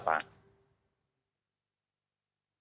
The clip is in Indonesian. kira kira seperti apa